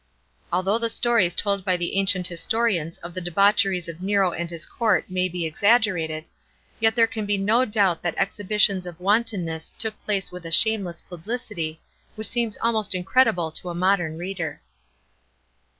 Although the stories told by the ancient historians of the debaucheries of Nero and his court may be exaggerated, yet there can be no doubt that exhibitions of wanton ness took place with a shameless publicity, which seems almost incredible to a modern reader.